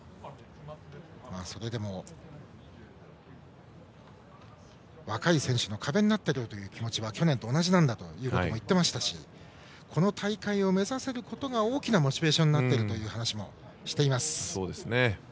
それでも若い選手の壁になってやろうという気持ちは去年と同じなんだと言っていましたしこの大会を目指せることが大きなモチベーションになっていると話しています。